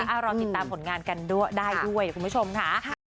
รอติดตามผลงานกันได้ด้วยคุณผู้ชมค่ะ